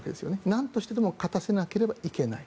なんとしてでも勝たせなければいけない。